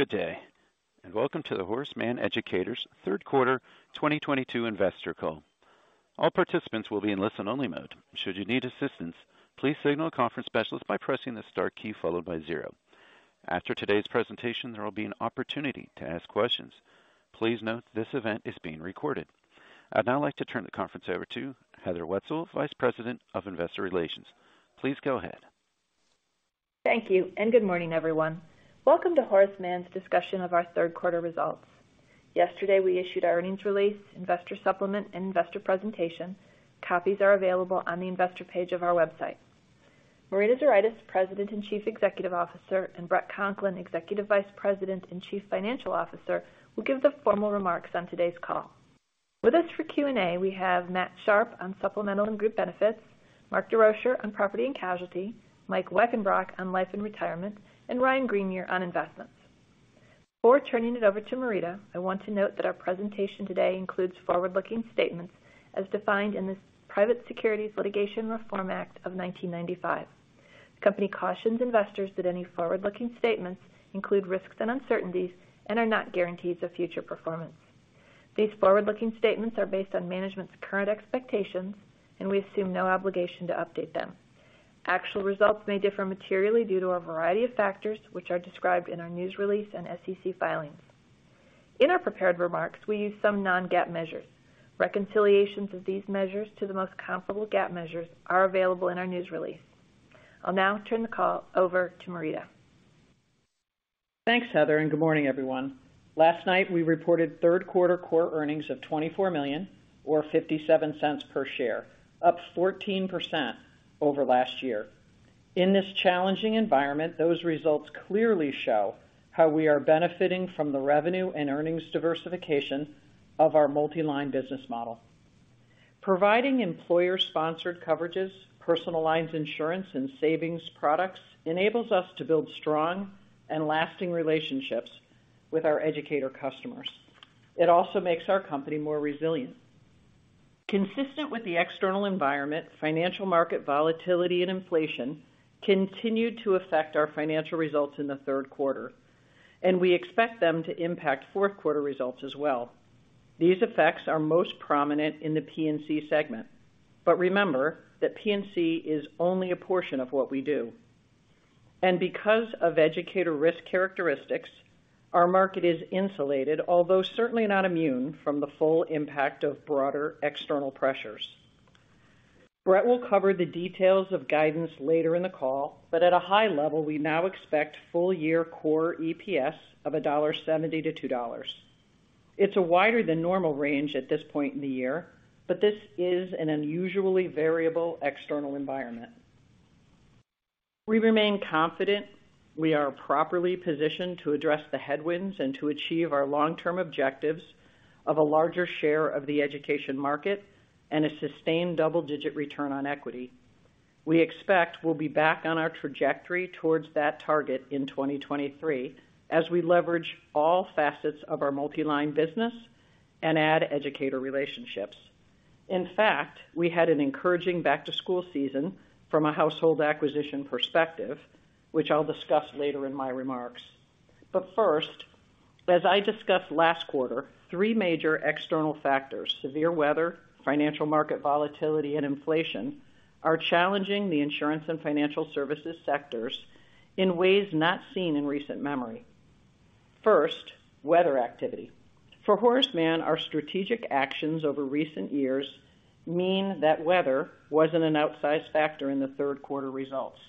Good day, and welcome to the Horace Mann Educators third quarter 2022 investor call. All participants will be in listen-only mode. Should you need assistance, please signal a conference specialist by pressing the star key followed by zero. After today's presentation, there will be an opportunity to ask questions. Please note this event is being recorded. I'd now like to turn the conference over to Heather Wietzel, Vice President of Investor Relations. Please go ahead. Thank you, and good morning, everyone. Welcome to Horace Mann's discussion of our third quarter results. Yesterday, we issued our earnings release, investor supplement, and investor presentation. Copies are available on the investor page of our website. Marita Zuraitis, President and Chief Executive Officer, and Bret Conklin, Executive Vice President and Chief Financial Officer, will give the formal remarks on today's call. With us for Q&A, we have Matthew Sharpe on Supplemental and Group Benefits, Mark Desrochers on Property & Casualty, Mike Weckenbrock on Life and Retirement, and Ryan Greenier on investments. Before turning it over to Marita, I want to note that our presentation today includes forward-looking statements as defined in the Private Securities Litigation Reform Act of 1995. The company cautions investors that any forward-looking statements include risks and uncertainties and are not guarantees of future performance. These forward-looking statements are based on management's current expectations, and we assume no obligation to update them. Actual results may differ materially due to a variety of factors, which are described in our news release and SEC filings. In our prepared remarks, we use some non-GAAP measures. Reconciliations of these measures to the most comparable GAAP measures are available in our news release. I'll now turn the call over to Marita. Thanks, Heather, and good morning, everyone. Last night, we reported third quarter core earnings of $24 million or $0.57 per share, up 14% over last year. In this challenging environment, those results clearly show how we are benefiting from the revenue and earnings diversification of our multi-line business model. Providing employer-sponsored coverages, personal lines insurance, and savings products enables us to build strong and lasting relationships with our educator customers. It also makes our company more resilient. Consistent with the external environment, financial market volatility and inflation continued to affect our financial results in the third quarter, and we expect them to impact fourth quarter results as well. These effects are most prominent in the P&C segment. Remember that P&C is only a portion of what we do. Because of educator risk characteristics, our market is insulated, although certainly not immune from the full impact of broader external pressures. Bret will cover the details of guidance later in the call, but at a high level, we now expect full year core EPS of $1.70-$2. It's a wider than normal range at this point in the year, but this is an unusually variable external environment. We remain confident we are properly positioned to address the headwinds and to achieve our long-term objectives of a larger share of the education market and a sustained double-digit return on equity. We expect we'll be back on our trajectory towards that target in 2023 as we leverage all facets of our multi-line business and add educator relationships. In fact, we had an encouraging back to school season from a household acquisition perspective, which I'll discuss later in my remarks. First, as I discussed last quarter, three major external factors, severe weather, financial market volatility, and inflation, are challenging the insurance and financial services sectors in ways not seen in recent memory. First, weather activity. For Horace Mann, our strategic actions over recent years mean that weather wasn't an outsized factor in the third quarter results.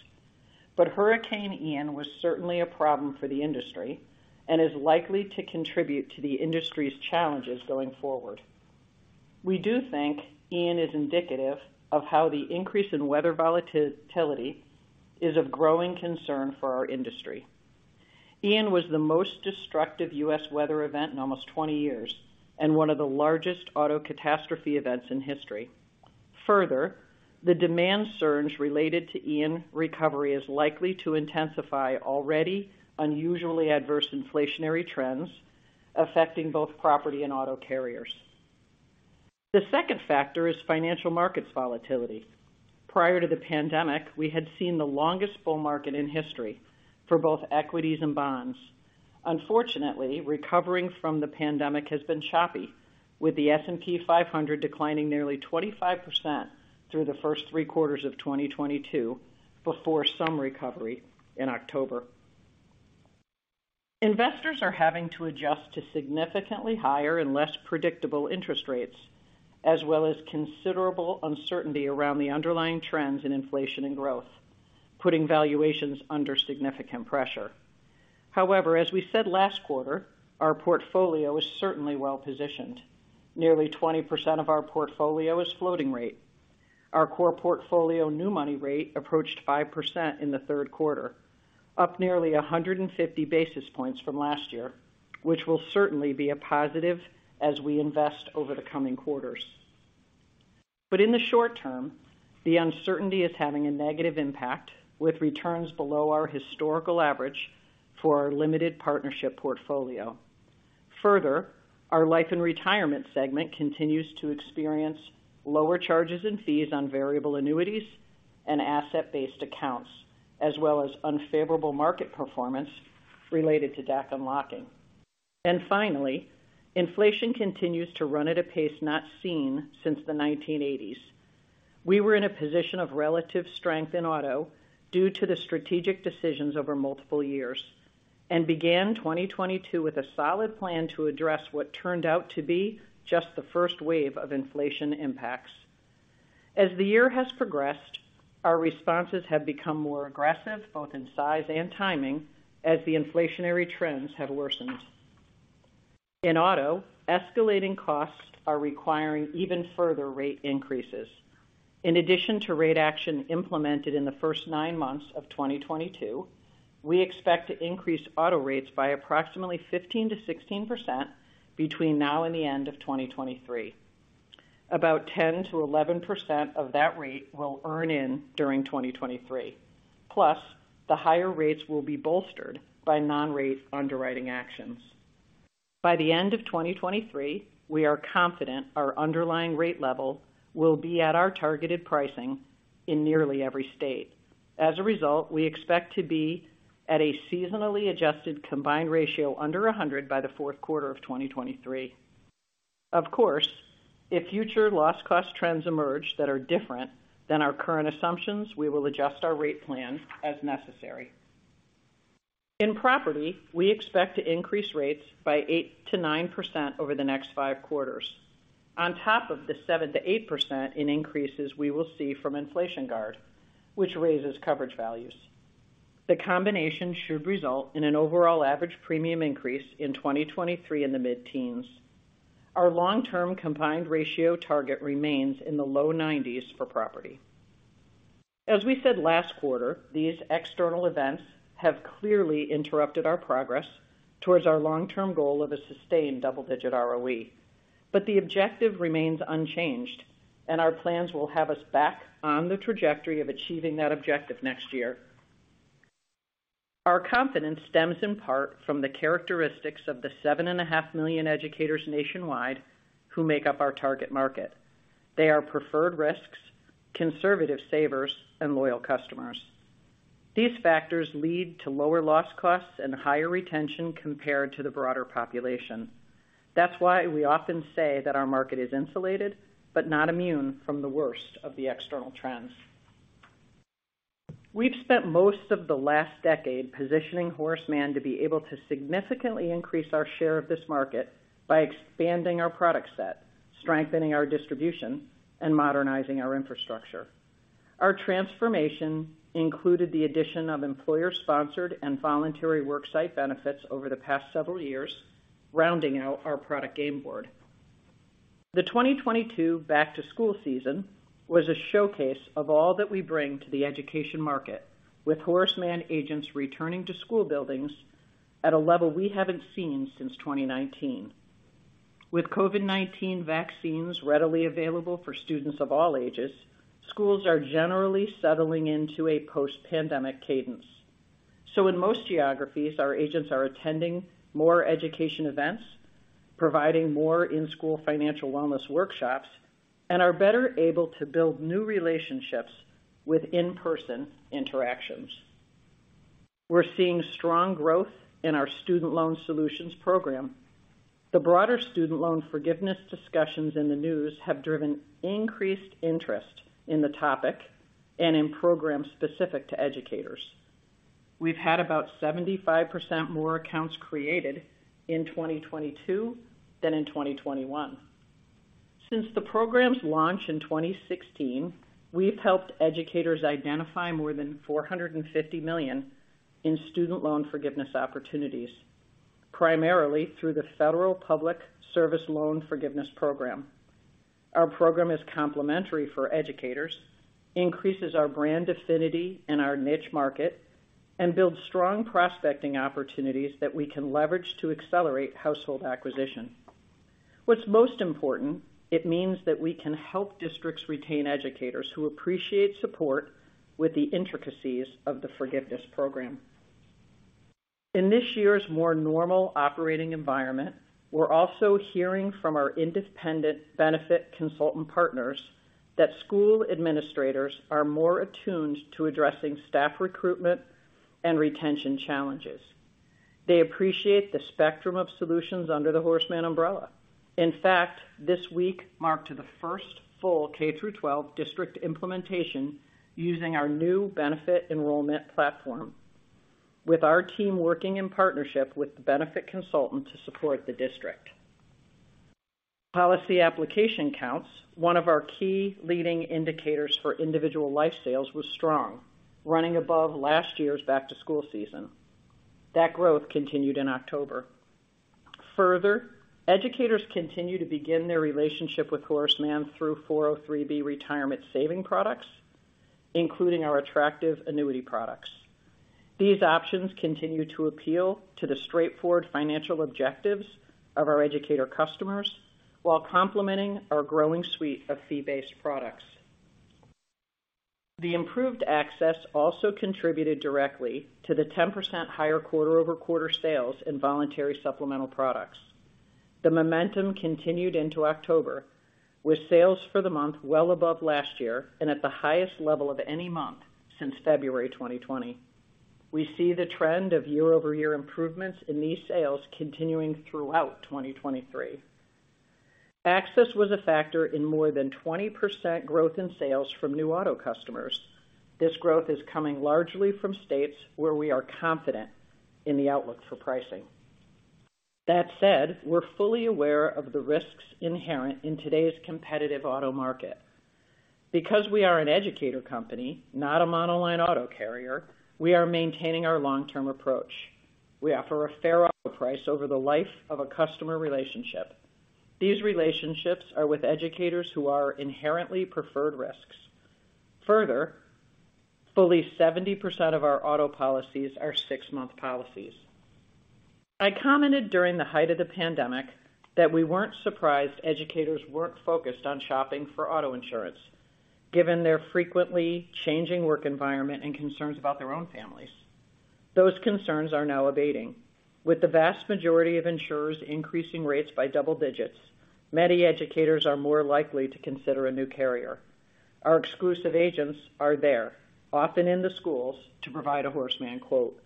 Hurricane Ian was certainly a problem for the industry and is likely to contribute to the industry's challenges going forward. We do think Ian is indicative of how the increase in weather volatility is of growing concern for our industry. Ian was the most destructive U.S. weather event in almost 20 years and one of the largest auto catastrophe events in history. Further, the demand surge related to Hurricane Ian recovery is likely to intensify already unusually adverse inflationary trends affecting both property and auto carriers. The second factor is financial markets volatility. Prior to the pandemic, we had seen the longest bull market in history for both equities and bonds. Unfortunately, recovering from the pandemic has been choppy, with the S&P 500 declining nearly 25% through the first three quarters of 2022 before some recovery in October. Investors are having to adjust to significantly higher and less predictable interest rates, as well as considerable uncertainty around the underlying trends in inflation and growth, putting valuations under significant pressure. However, as we said last quarter, our portfolio is certainly well-positioned. Nearly 20% of our portfolio is floating rate. Our core portfolio new money rate approached 5% in the third quarter, up nearly 150 basis points from last year, which will certainly be a positive as we invest over the coming quarters. In the short term, the uncertainty is having a negative impact with returns below our historical average for our limited partnership portfolio. Further, our Life and Retirement segment continues to experience lower charges and fees on variable annuities and asset-based accounts, as well as unfavorable market performance related to DAC unlocking. Finally, inflation continues to run at a pace not seen since the 1980s. We were in a position of relative strength in auto due to the strategic decisions over multiple years, and began 2022 with a solid plan to address what turned out to be just the first wave of inflation impacts. As the year has progressed, our responses have become more aggressive, both in size and timing, as the inflationary trends have worsened. In auto, escalating costs are requiring even further rate increases. In addition to rate action implemented in the first nine months of 2022, we expect to increase auto rates by approximately 15%-16% between now and the end of 2023. About 10%-11% of that rate will earn in during 2023. Plus, the higher rates will be bolstered by non-rate underwriting actions. By the end of 2023, we are confident our underlying rate level will be at our targeted pricing in nearly every state. As a result, we expect to be at a seasonally adjusted combined ratio under 100 by the fourth quarter of 2023. Of course, if future loss cost trends emerge that are different than our current assumptions, we will adjust our rate plan as necessary. In property, we expect to increase rates by 8%-9% over the next five quarters. On top of the 7%-8% increases we will see from inflation guard, which raises coverage values. The combination should result in an overall average premium increase in 2023 in the mid-teens. Our long-term combined ratio target remains in the low 90s for property. As we said last quarter, these external events have clearly interrupted our progress towards our long-term goal of a sustained double-digit ROE. The objective remains unchanged, and our plans will have us back on the trajectory of achieving that objective next year. Our confidence stems in part from the characteristics of the 7.5 million educators nationwide who make up our target market. They are preferred risks, conservative savers, and loyal customers. These factors lead to lower loss costs and higher retention compared to the broader population. That's why we often say that our market is insulated but not immune from the worst of the external trends. We've spent most of the last decade positioning Horace Mann to be able to significantly increase our share of this market by expanding our product set, strengthening our distribution, and modernizing our infrastructure. Our transformation included the addition of employer-sponsored and voluntary worksite benefits over the past several years, rounding out our product game board. The 2022 back-to-school season was a showcase of all that we bring to the education market, with Horace Mann agents returning to school buildings at a level we haven't seen since 2019. With COVID-19 vaccines readily available for students of all ages, schools are generally settling into a post-pandemic cadence. In most geographies, our agents are attending more education events, providing more in-school financial wellness workshops, and are better able to build new relationships with in-person interactions. We're seeing strong growth in our Student Loan Solutions program. The broader student loan forgiveness discussions in the news have driven increased interest in the topic and in programs specific to educators. We've had about 75% more accounts created in 2022 than in 2021. Since the program's launch in 2016, we've helped educators identify more than $450 million in student loan forgiveness opportunities, primarily through the Federal Public Service Loan Forgiveness Program. Our program is complementary for educators, increases our brand affinity in our niche market, and builds strong prospecting opportunities that we can leverage to accelerate household acquisition. What's most important, it means that we can help districts retain educators who appreciate support with the intricacies of the forgiveness program. In this year's more normal operating environment, we're also hearing from our independent benefit consultant partners that school administrators are more attuned to addressing staff recruitment and retention challenges. They appreciate the spectrum of solutions under the Horace Mann umbrella. In fact, this week marked the first full K-12 district implementation using our new benefit enrollment platform. With our team working in partnership with the benefit consultant to support the district. Policy application counts, one of our key leading indicators for individual life sales, was strong, running above last year's back-to-school season. That growth continued in October. Further, educators continue to begin their relationship with Horace Mann through 403(b) retirement saving products, including our attractive annuity products. These options continue to appeal to the straightforward financial objectives of our educator customers while complementing our growing suite of fee-based products. The improved access also contributed directly to the 10% higher quarter-over-quarter sales in voluntary supplemental products. The momentum continued into October, with sales for the month well above last year and at the highest level of any month since February 2020. We see the trend of year-over-year improvements in these sales continuing throughout 2023. Access was a factor in more than 20% growth in sales from new auto customers. This growth is coming largely from states where we are confident in the outlook for pricing. That said, we're fully aware of the risks inherent in today's competitive auto market. Because we are an educator company, not a monoline auto carrier, we are maintaining our long-term approach. We offer a fair auto price over the life of a customer relationship. These relationships are with educators who are inherently preferred risks. Further, fully 70% of our auto policies are six-month policies. I commented during the height of the pandemic that we weren't surprised educators weren't focused on shopping for auto insurance, given their frequently changing work environment and concerns about their own families. Those concerns are now abating. With the vast majority of insurers increasing rates by double digits, many educators are more likely to consider a new carrier. Our exclusive agents are there, often in the schools, to provide a Horace Mann quote.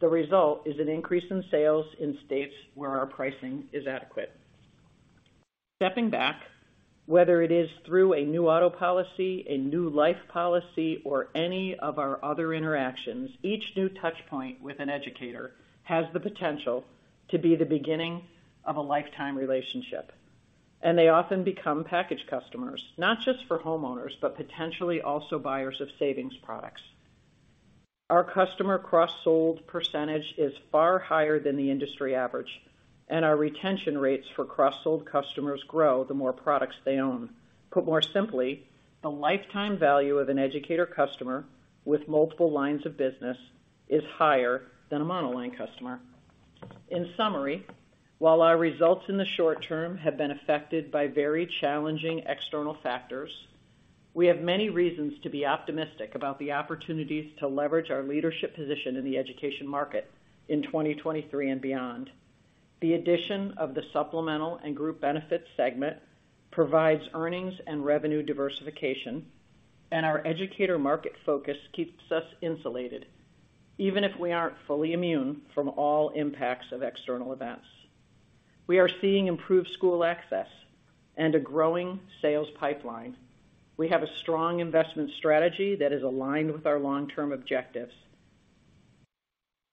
The result is an increase in sales in states where our pricing is adequate. Stepping back, whether it is through a new auto policy, a new life policy, or any of our other interactions, each new touch point with an educator has the potential to be the beginning of a lifetime relationship, and they often become package customers, not just for homeowners, but potentially also buyers of savings products. Our customer cross-sold percentage is far higher than the industry average, and our retention rates for cross-sold customers grow the more products they own. Put more simply, the lifetime value of an educator customer with multiple lines of business is higher than a monoline customer. In summary, while our results in the short term have been affected by very challenging external factors, we have many reasons to be optimistic about the opportunities to leverage our leadership position in the education market in 2023 and beyond. The addition of the supplemental and group benefits segment provides earnings and revenue diversification, and our educator market focus keeps us insulated, even if we aren't fully immune from all impacts of external events. We are seeing improved school access and a growing sales pipeline. We have a strong investment strategy that is aligned with our long-term objectives,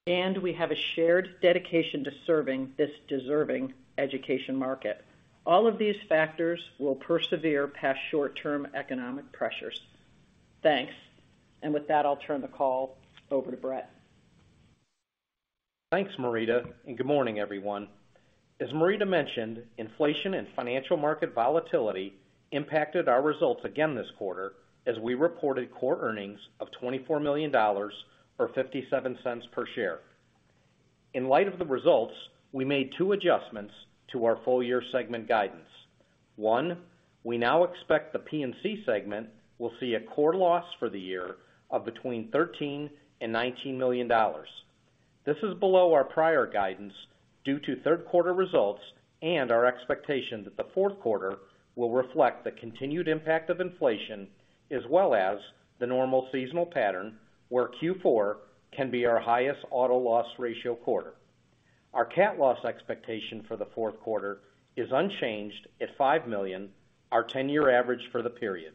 and we have a shared dedication to serving this deserving education market. All of these factors will persevere past short-term economic pressures. Thanks. With that, I'll turn the call over to Bret. Thanks, Marita, and good morning, everyone. As Marita mentioned, inflation and financial market volatility impacted our results again this quarter as we reported core earnings of $24 million or $0.57 per share. In light of the results, we made two adjustments to our full year segment guidance. One, we now expect the P&C segment will see a core loss for the year of between $13 million and $19 million. This is below our prior guidance due to third quarter results and our expectation that the fourth quarter will reflect the continued impact of inflation as well as the normal seasonal pattern where Q4 can be our highest auto loss ratio quarter. Our cat loss expectation for the fourth quarter is unchanged at $5 million, our 10-year average for the period.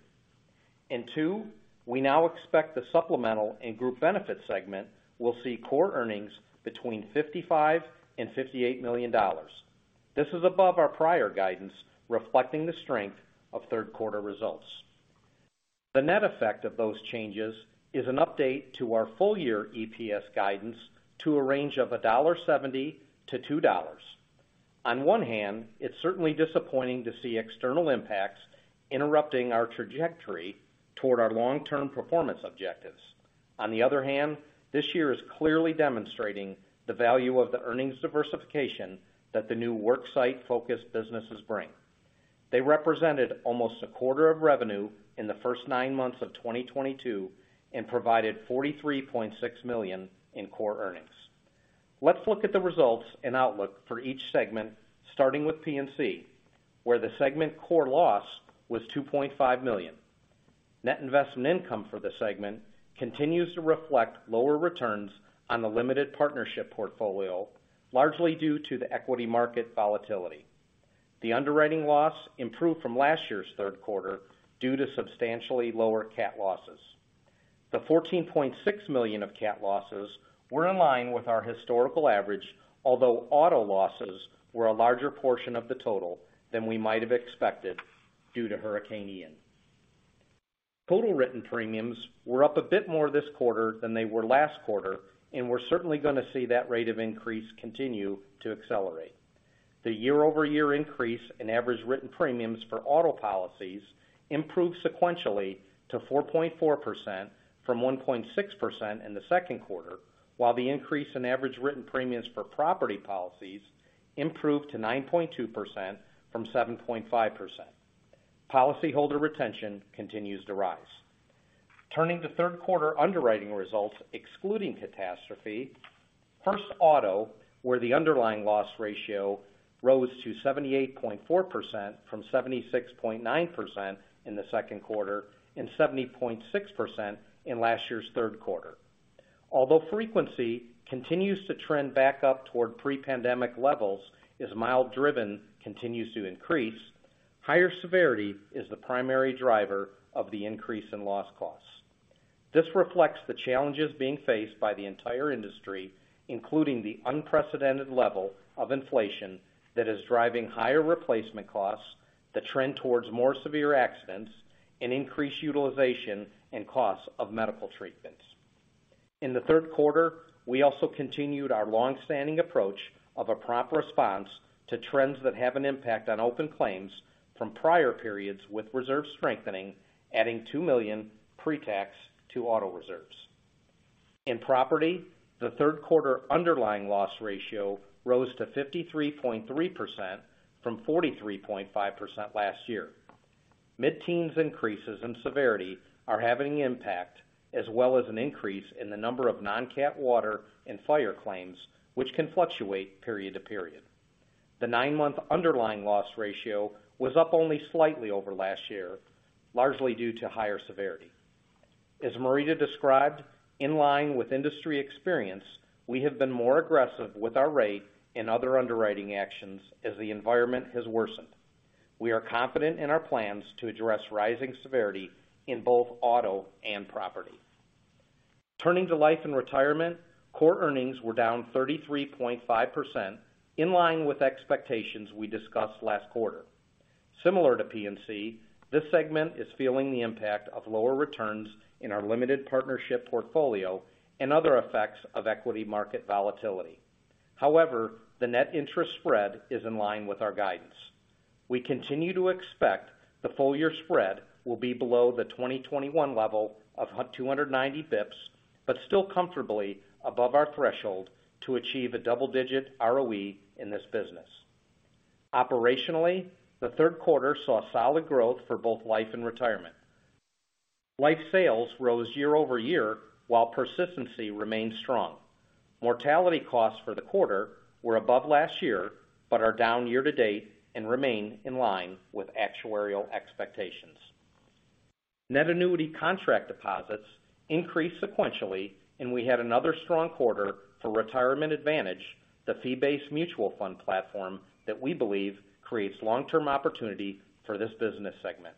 Two, we now expect the Supplemental and Group Benefits segment will see core earnings between $55 million and $58 million. This is above our prior guidance, reflecting the strength of third quarter results. The net effect of those changes is an update to our full year EPS guidance to a range of $1.70-$2. On one hand, it's certainly disappointing to see external impacts interrupting our trajectory toward our long-term performance objectives. On the other hand, this year is clearly demonstrating the value of the earnings diversification that the new worksite-focused businesses bring. They represented almost a quarter of revenue in the first nine months of 2022 and provided $43.6 million in core earnings. Let's look at the results and outlook for each segment, starting with P&C, where the segment core loss was $2.5 million. Net investment income for the segment continues to reflect lower returns on the limited partnership portfolio, largely due to the equity market volatility. The underwriting loss improved from last year's third quarter due to substantially lower cat losses. The $14.6 million of cat losses were in line with our historical average, although auto losses were a larger portion of the total than we might have expected due to Hurricane Ian. Total written premiums were up a bit more this quarter than they were last quarter, and we're certainly gonna see that rate of increase continue to accelerate. The year-over-year increase in average written premiums for auto policies improved sequentially to 4.4% from 1.6% in the second quarter, while the increase in average written premiums for property policies improved to 9.2% from 7.5%. Policyholder retention continues to rise. Turning to third quarter underwriting results excluding catastrophe, first, auto, where the underlying loss ratio rose to 78.4% from 76.9% in the second quarter and 70.6% in last year's third quarter. Although frequency continues to trend back up toward pre-pandemic levels as miles driven continues to increase, higher severity is the primary driver of the increase in loss costs. This reflects the challenges being faced by the entire industry, including the unprecedented level of inflation that is driving higher replacement costs, the trend towards more severe accidents and increased utilization and costs of medical treatments. In the third quarter, we also continued our long-standing approach of a prompt response to trends that have an impact on open claims from prior periods with reserve strengthening, adding $2 million pre-tax to auto reserves. In Property, the third quarter underlying loss ratio rose to 53.3% from 43.5% last year. Mid-teens increases in severity are having impact, as well as an increase in the number of non-capped water and fire claims, which can fluctuate period to period. The nine-month underlying loss ratio was up only slightly over last year, largely due to higher severity. As Marita described, in line with industry experience, we have been more aggressive with our rate and other underwriting actions as the environment has worsened. We are confident in our plans to address rising severity in both auto and property. Turning to Life and Retirement, core earnings were down 33.5% in line with expectations we discussed last quarter. Similar to P&C, this segment is feeling the impact of lower returns in our limited partnership portfolio and other effects of equity market volatility. However, the net interest spread is in line with our guidance. We continue to expect the full-year spread will be below the 2021 level of 290 bps, but still comfortably above our threshold to achieve a double-digit ROE in this business. Operationally, the third quarter saw solid growth for both Life and Retirement. Life sales rose year-over-year, while persistency remained strong. Mortality costs for the quarter were above last year, but are down year to date and remain in line with actuarial expectations. Net annuity contract deposits increased sequentially, and we had another strong quarter for Retirement Advantage, the fee-based mutual fund platform that we believe creates long-term opportunity for this business segment.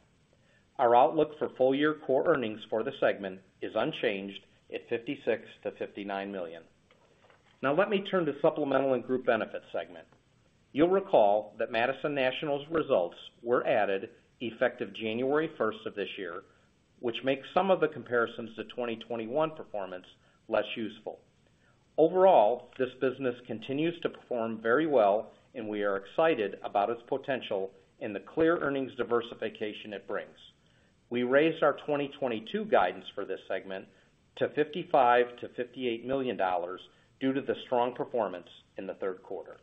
Our outlook for full-year core earnings for the segment is unchanged at $56 million-$59 million. Now let me turn to Supplemental and Group Benefits segment. You'll recall that Madison National's results were added effective January 1st of this year, which makes some of the comparisons to 2021 performance less useful. Overall, this business continues to perform very well, and we are excited about its potential and the clear earnings diversification it brings. We raised our 2022 guidance for this segment to $55 million-$58 million due to the strong performance in the third quarter.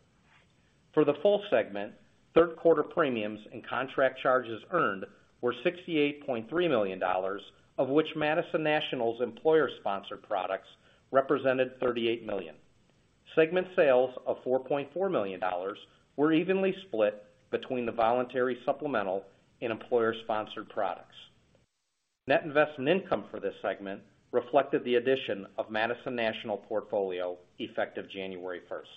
For the full segment, third quarter premiums and contract charges earned were $68.3 million, of which Madison National's employer-sponsored products represented $38 million. Segment sales of $4.4 million were evenly split between the voluntary supplemental and employer-sponsored products. Net investment income for this segment reflected the addition of Madison National portfolio effective January 1st.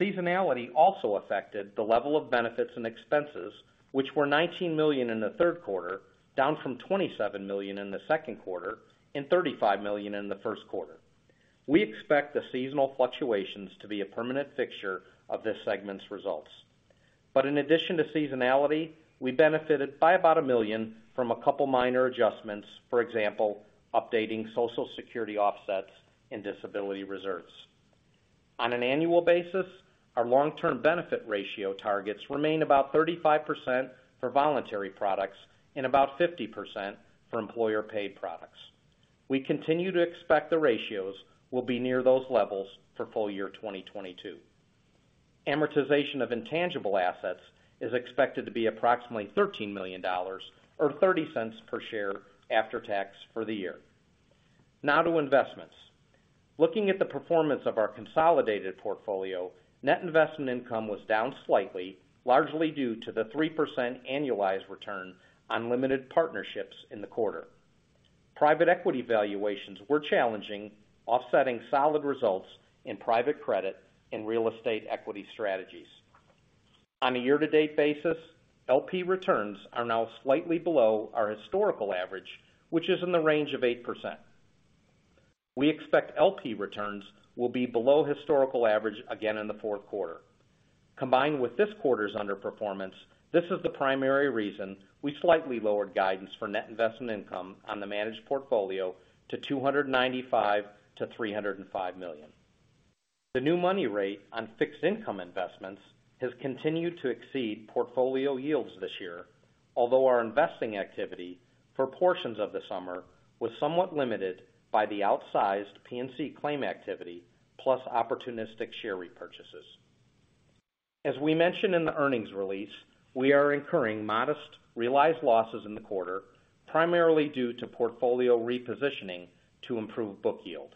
Seasonality also affected the level of benefits and expenses, which were $19 million in the third quarter, down from $27 million in the second quarter and $35 million in the first quarter. We expect the seasonal fluctuations to be a permanent fixture of this segment's results. In addition to seasonality, we benefited by about $1 million from a couple minor adjustments, for example, updating Social Security offsets and disability reserves. On an annual basis, our long-term benefit ratio targets remain about 35% for voluntary products and about 50% for employer paid products. We continue to expect the ratios will be near those levels for full year 2022. Amortization of intangible assets is expected to be approximately $13 million or $0.30 per share after tax for the year. Now to investments. Looking at the performance of our consolidated portfolio, net investment income was down slightly, largely due to the 3% annualized return on limited partnerships in the quarter. Private equity valuations were challenging, offsetting solid results in private credit and real estate equity strategies. On a year to date basis, LP returns are now slightly below our historical average, which is in the range of 8%. We expect LP returns will be below historical average again in the fourth quarter. Combined with this quarter's underperformance, this is the primary reason we slightly lowered guidance for net investment income on the managed portfolio to $295 million-$305 million. The new money rate on fixed income investments has continued to exceed portfolio yields this year, although our investing activity for portions of the summer was somewhat limited by the outsized P&C claim activity plus opportunistic share repurchases. As we mentioned in the earnings release, we are incurring modest realized losses in the quarter, primarily due to portfolio repositioning to improve book yield.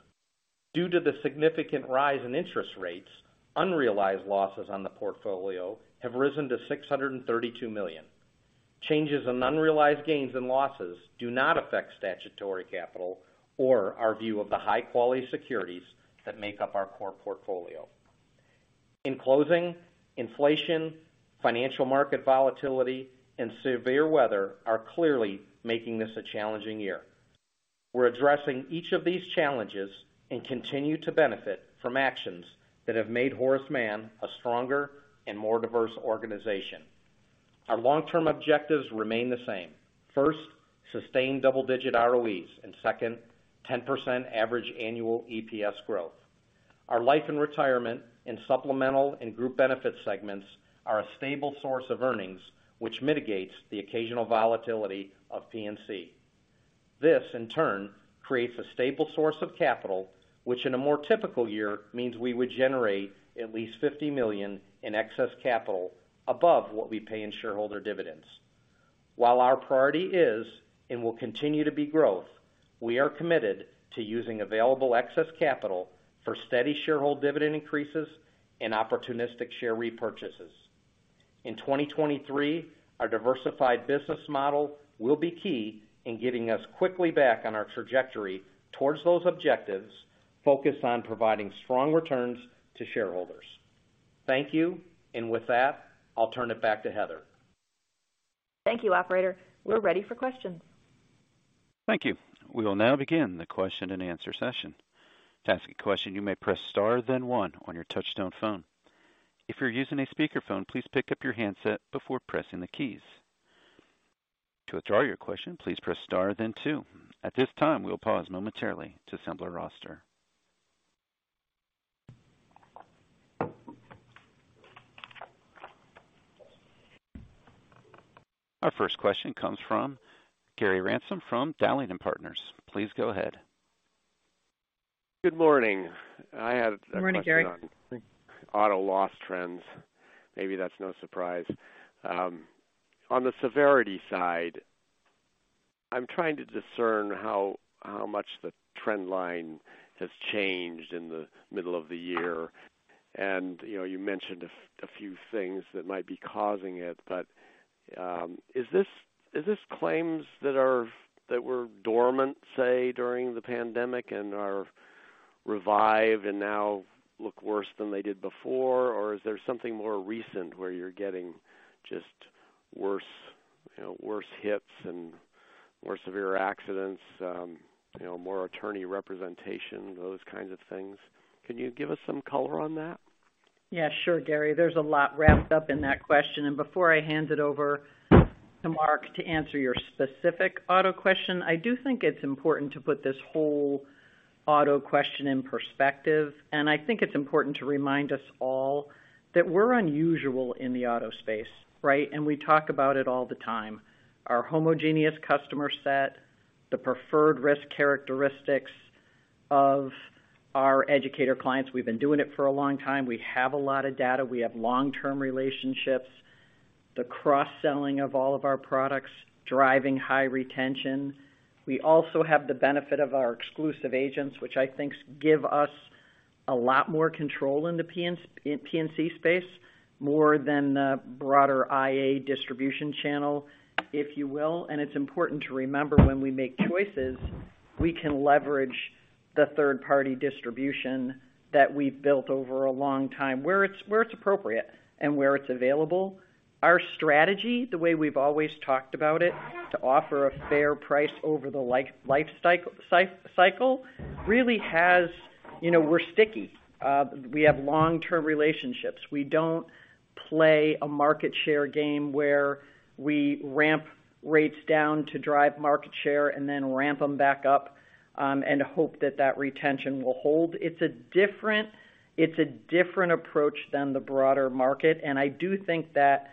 Due to the significant rise in interest rates, unrealized losses on the portfolio have risen to $632 million. Changes in unrealized gains and losses do not affect statutory capital or our view of the high-quality securities that make up our core portfolio. In closing, inflation, financial market volatility, and severe weather are clearly making this a challenging year. We're addressing each of these challenges and continue to benefit from actions that have made Horace Mann a stronger and more diverse organization. Our long-term objectives remain the same. First, sustain double-digit ROEs, and second, 10% average annual EPS growth. Our life and retirement and supplemental and group benefit segments are a stable source of earnings, which mitigates the occasional volatility of P&C. This, in turn, creates a stable source of capital, which in a more typical year means we would generate at least $50 million in excess capital above what we pay in shareholder dividends. While our priority is and will continue to be growth, we are committed to using available excess capital for steady shareholder dividend increases and opportunistic share repurchases. In 2023, our diversified business model will be key in getting us quickly back on our trajectory towards those objectives focused on providing strong returns to shareholders. Thank you. With that, I'll turn it back to Heather. Thank you. Operator, we're ready for questions. Thank you. We will now begin the question-and-answer session. To ask a question, you may press star, then one on your touchtone phone. If you're using a speakerphone, please pick up your handset before pressing the keys. To withdraw your question, please press star then two. At this time, we will pause momentarily to assemble a roster. Our first question comes from Gary Ransom from Dowling & Partners. Please go ahead. Good morning. I have a question on. Good morning, Gary. Auto loss trends. Maybe that's no surprise. On the severity side, I'm trying to discern how much the trend line has changed in the middle of the year. You know, you mentioned a few things that might be causing it, but is this claims that are that were dormant, say, during the pandemic and are revived and now look worse than they did before? Or is there something more recent where you're getting just worse, you know, worse hits and more severe accidents, you know, more attorney representation, those kinds of things? Can you give us some color on that? Yeah, sure. Gary, there's a lot wrapped up in that question. Before I hand it over to Mark to answer your specific auto question, I do think it's important to put this whole auto question in perspective, and I think it's important to remind us all that we're unusual in the auto space, right? We talk about it all the time. Our homogeneous customer set, the preferred risk characteristics of our educator clients. We've been doing it for a long time. We have a lot of data. We have long-term relationships. The cross-selling of all of our products, driving high retention. We also have the benefit of our exclusive agents, which I think give us a lot more control in the P&C space, more than the broader IA distribution channel, if you will. It's important to remember when we make choices, we can leverage the third-party distribution that we've built over a long time, where it's appropriate and where it's available. Our strategy, the way we've always talked about it, to offer a fair price over the life cycle really has. You know, we're sticky. We have long-term relationships. We don't play a market share game where we ramp rates down to drive market share and then ramp them back up, and hope that retention will hold. It's a different approach than the broader market, and I do think that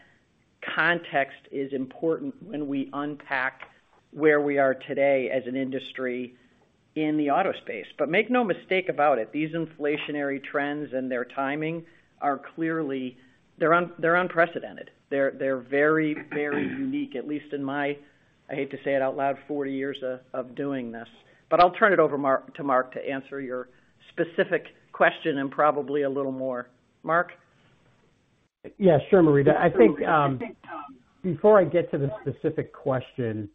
context is important when we unpack where we are today as an industry in the auto space. Make no mistake about it, these inflationary trends and their timing are clearly. They're unprecedented. They're very, very unique, at least in my, I hate to say it out loud, 40 years of doing this. I'll turn it over, Mark, to Mark to answer your specific question and probably a little more. Mark? Yeah, sure, Marita. I think before I get to the specific question,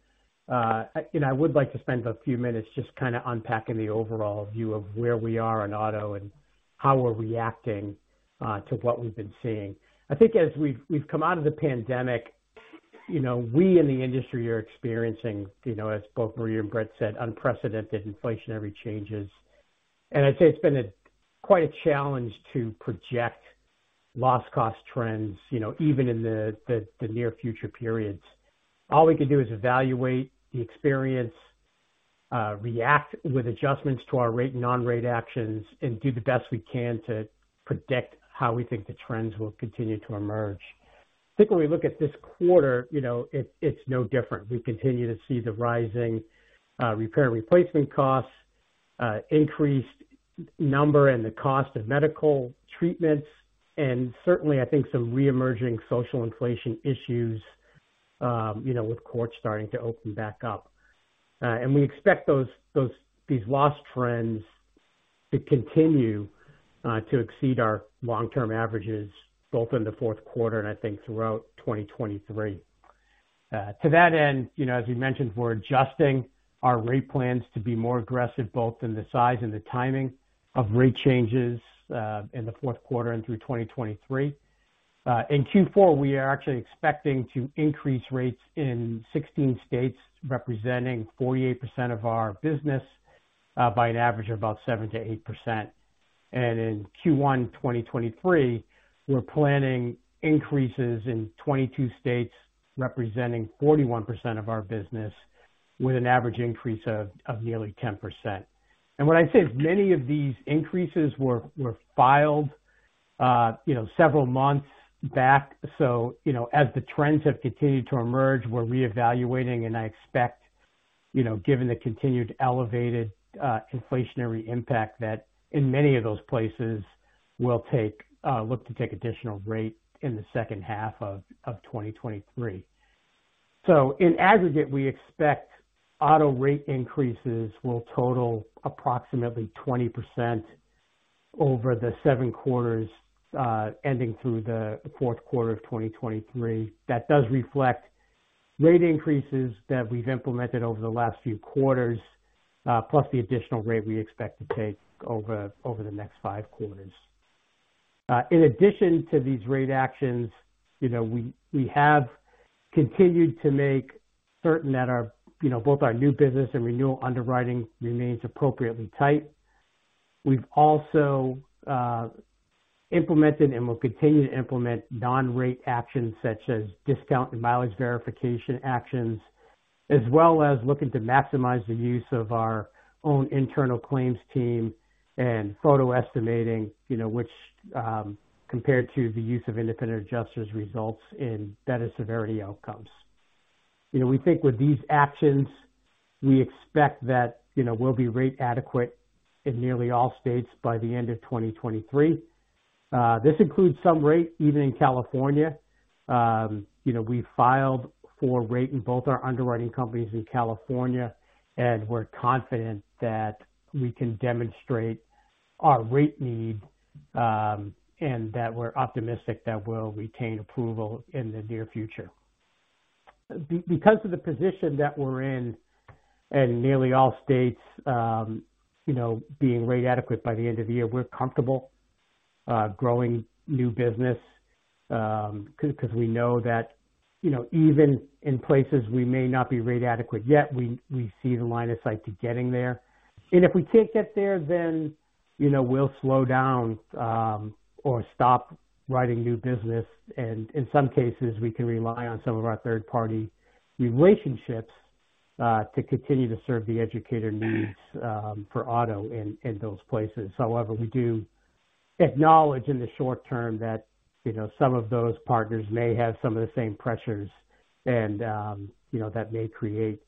you know, I would like to spend a few minutes just kinda unpacking the overall view of where we are in auto and how we're reacting to what we've been seeing. I think as we've come out of the pandemic, you know, we in the industry are experiencing, you know, as both Marita and Bret said, unprecedented inflationary changes. I'd say it's been quite a challenge to project loss cost trends, you know, even in the near future periods. All we can do is evaluate the experience, react with adjustments to our rate, non-rate actions, and do the best we can to predict how we think the trends will continue to emerge. I think when we look at this quarter, you know, it's no different. We continue to see the rising repair and replacement costs, increased number and the cost of medical treatments, and certainly, I think some reemerging social inflation issues, you know, with courts starting to open back up. We expect these loss trends to continue to exceed our long-term averages both in the fourth quarter and I think throughout 2023. To that end, you know, as we mentioned, we're adjusting our rate plans to be more aggressive both in the size and the timing of rate changes in the fourth quarter and through 2023. In Q4, we are actually expecting to increase rates in 16 states, representing 48% of our business by an average of about 7%-8%. In Q1 2023, we're planning increases in 22 states, representing 41% of our business with an average increase of nearly 10%. When I say many of these increases were filed, you know, several months back. You know, as the trends have continued to emerge, we're reevaluating. I expect, you know, given the continued elevated inflationary impact, that in many of those places we'll look to take additional rate in the second half of 2023. In aggregate, we expect auto rate increases will total approximately 20% over the seven quarters ending through the fourth quarter of 2023. That does reflect rate increases that we've implemented over the last few quarters plus the additional rate we expect to take over the next five quarters. In addition to these rate actions, you know, we have continued to make certain that our, you know, both our new business and renewal underwriting remains appropriately tight. We've also implemented and will continue to implement non-rate actions such as discount and mileage verification actions, as well as looking to maximize the use of our own internal claims team and photo estimating, you know, which compared to the use of independent adjusters results in better severity outcomes. You know, we think with these actions, we expect that, you know, we'll be rate adequate in nearly all states by the end of 2023. This includes some rate even in California. You know, we filed for rate in both our underwriting companies in California, and we're confident that we can demonstrate our rate need, and that we're optimistic that we'll obtain approval in the near future. Because of the position that we're in in nearly all states, you know, being rate adequate by the end of the year, we're comfortable growing new business, because we know that, you know, even in places we may not be rate adequate yet, we see the line of sight to getting there. If we can't get there, then, you know, we'll slow down or stop writing new business. In some cases, we can rely on some of our third-party relationships to continue to serve the educator needs for auto in those places. However, we do acknowledge in the short term that, you know, some of those partners may have some of the same pressures and, you know, that may create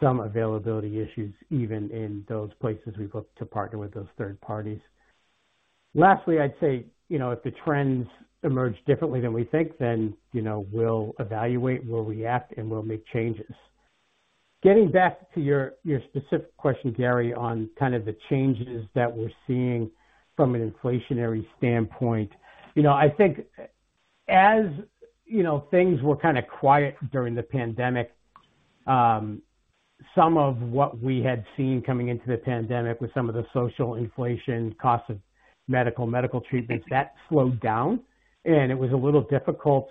some availability issues even in those places we've looked to partner with those third parties. Lastly, I'd say, you know, if the trends emerge differently than we think, then, you know, we'll evaluate, we'll react, and we'll make changes. Getting back to your specific question, Gary, on kind of the changes that we're seeing from an inflationary standpoint. You know, I think as, you know, things were kind of quiet during the pandemic, some of what we had seen coming into the pandemic with some of the social inflation costs of medical treatments, that slowed down. It was a little difficult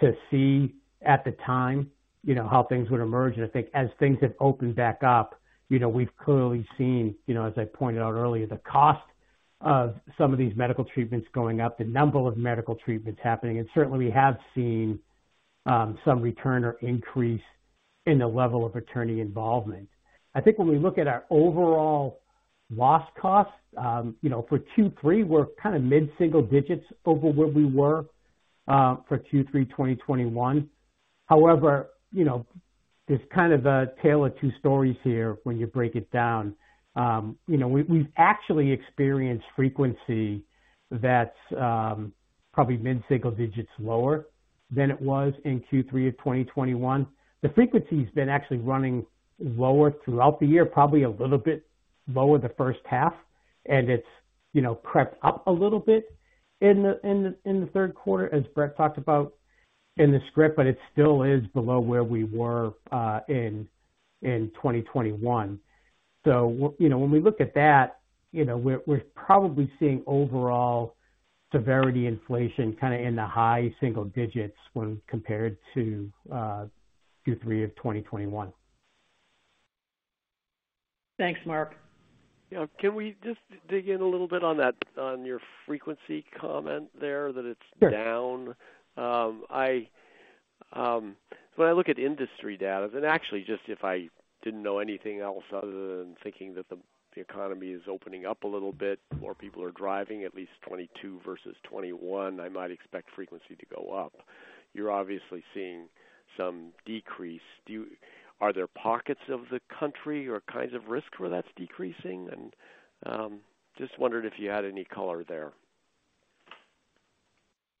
to see at the time, you know, how things would emerge. I think as things have opened back up, you know, we've clearly seen, you know, as I pointed out earlier, the cost of some of these medical treatments going up, the number of medical treatments happening, and certainly we have seen some return or increase in the level of attorney involvement. I think when we look at our overall loss costs, you know, for Q3, we're kind of mid-single digits over where we were for Q3, 2021. However, you know, there's kind of a tale of two stories here when you break it down. You know, we've actually experienced frequency that's probably mid-single digits lower than it was in Q3 of 2021. The frequency's been actually running lower throughout the year, probably a little bit lower the first half. It's, you know, crept up a little bit in the third quarter, as Bret talked about in the script, but it still is below where we were in 2021. You know, when we look at that, you know, we're probably seeing overall severity inflation kind of in the high single digits when compared to Q3 of 2021. Thanks, Mark. Yeah. Can we just dig in a little bit on that, on your frequency comment there, that it's? Sure. When I look at industry data, then actually just if I didn't know anything else other than thinking that the economy is opening up a little bit, more people are driving at least 2022 versus 2021, I might expect frequency to go up. You're obviously seeing some decrease. Are there pockets of the country or kinds of risk where that's decreasing? Just wondered if you had any color there.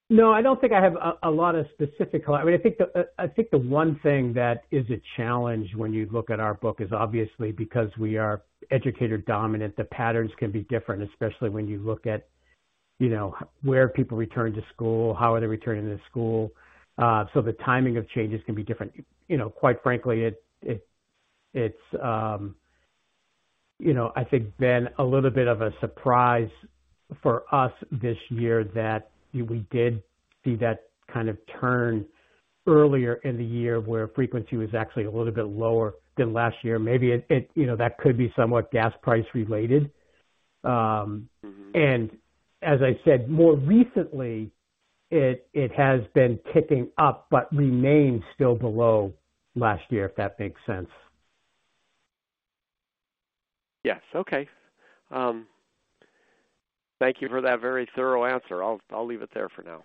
No, I don't think I have a lot of specific color. I mean, I think the one thing that is a challenge when you look at our book is obviously because we are educator-dominant, the patterns can be different, especially when you look at, you know, where people return to school, how are they returning to school? The timing of changes can be different. You know, quite frankly, it's been a little bit of a surprise for us this year that we did see that kind of turn earlier in the year where frequency was actually a little bit lower than last year. Maybe it, you know, that could be somewhat gas price related. Mm-hmm. As I said, more recently, it has been ticking up, but remains still below last year, if that makes sense. Yes. Okay. Thank you for that very thorough answer. I'll leave it there for now.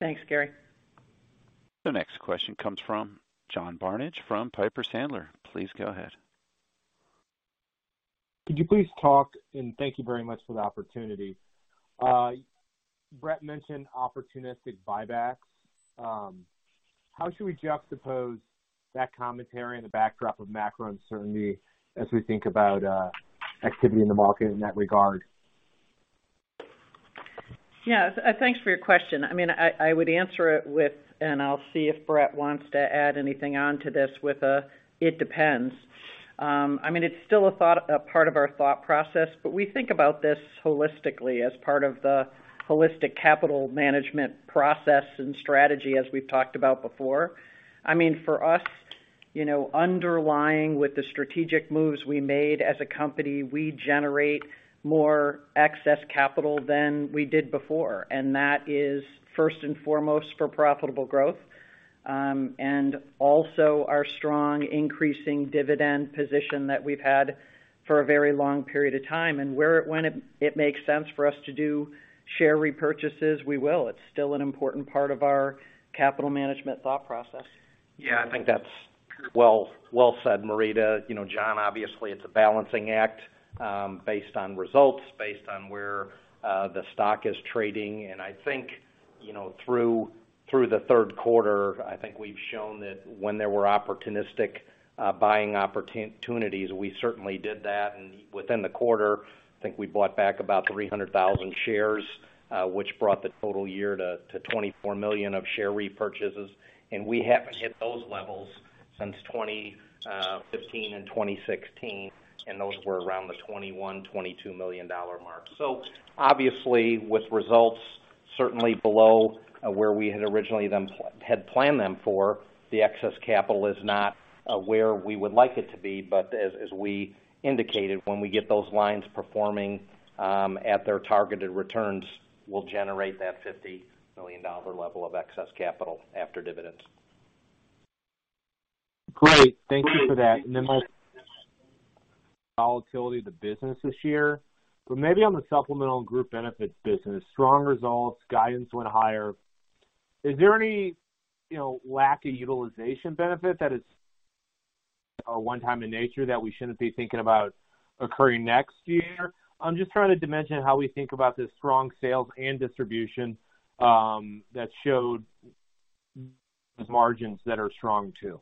Thanks, Gary. The next question comes from John Barnidge from Piper Sandler. Please go ahead. Thank you very much for the opportunity. Bret mentioned opportunistic buybacks. How should we juxtapose that commentary in the backdrop of macro uncertainty as we think about activity in the market in that regard? Thanks for your question. I mean, I would answer it with, and I'll see if Bret wants to add anything onto this with a, "It depends." I mean, it's still a part of our thought process, but we think about this holistically as part of the holistic capital management process and strategy as we've talked about before. I mean, for us, you know, underlying with the strategic moves we made as a company, we generate more excess capital than we did before. That is first and foremost for profitable growth, and also our strong increasing dividend position that we've had for a very long period of time. When it makes sense for us to do share repurchases, we will. It's still an important part of our capital management thought process. Yeah. I think that's well said, Marita. You know, John, obviously, it's a balancing act, based on results, based on where the stock is trading. I think, you know, through the third quarter, I think we've shown that when there were opportunistic buying opportunities, we certainly did that. Within the quarter, I think we bought back about 300,000 shares, which brought the total year to $24 million of share repurchases. We haven't hit those levels since 2015 and 2016, and those were around the $21 million-$22 million mark. Obviously, with results certainly below where we had originally had planned them for, the excess capital is not where we would like it to be. As we indicated, when we get those lines performing at their targeted returns, we'll generate that $50 million level of excess capital after dividends. Great. Thank you for that. My volatility of the business this year. Maybe on the Supplemental and Group Benefits business, strong results, guidance went higher. Is there any, you know, lack of utilization benefit that is or one-time in nature that we shouldn't be thinking about occurring next year? I'm just trying to dimension how we think about the strong sales and distribution that showed margins that are strong too.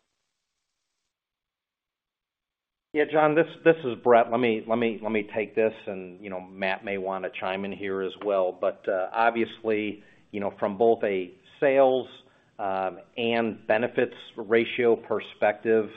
Yeah, John, this is Bret. Let me take this and, you know, Matt may wanna chime in here as well. Obviously, you know, from both a sales and benefits ratio perspective,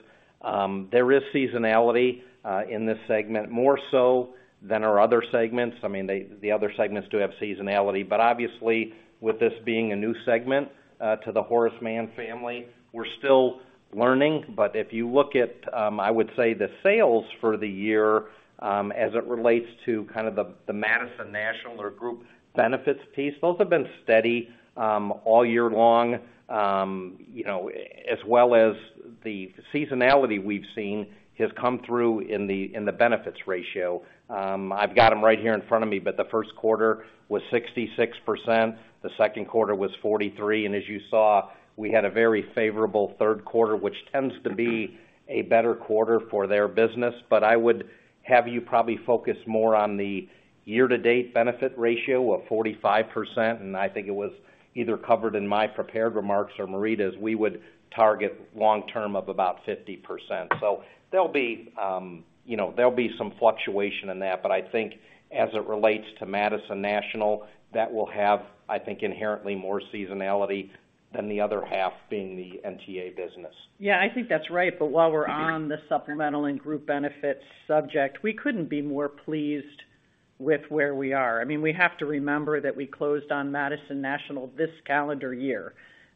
there is seasonality in this segment, more so than our other segments. I mean, the other segments do have seasonality. Obviously, with this being a new segment to the Horace Mann family, we're still learning. If you look at, I would say, the sales for the year, as it relates to kind of the Madison National or Group Benefits piece, those have been steady all year long. You know, as well as the seasonality we've seen has come through in the benefits ratio. I've got them right here in front of me, but the first quarter was 66%, the second quarter was 43%, and as you saw, we had a very favorable third quarter, which tends to be a better quarter for their business. I would have you probably focus more on the year-to-date benefit ratio of 45%, and I think it was either covered in my prepared remarks or Marita's. We would target long term of about 50%. There'll be, you know, there'll be some fluctuation in that. I think as it relates to Madison National, that will have, I think, inherently more seasonality than the other half being the NTA business. Yeah, I think that's right. While we're on the Supplemental and Group Benefits subject, we couldn't be more pleased with where we are. I mean, we have to remember that we closed on Madison National this calendar year,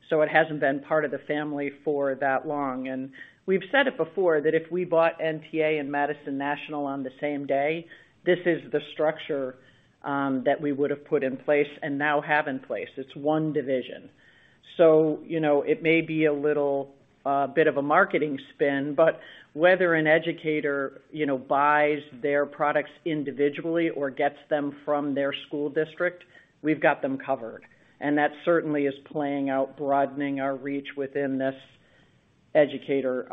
so it hasn't been part of the family for that long. We've said it before, that if we bought NTA and Madison National on the same day, this is the structure that we would have put in place and now have in place. It's one division. You know, it may be a little bit of a marketing spin, but whether an educator you know buys their products individually or gets them from their school district, we've got them covered. That certainly is playing out, broadening our reach within this educator